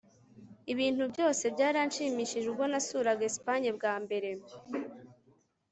ibintu byose byaranshimishije ubwo nasuraga espagne bwa mbere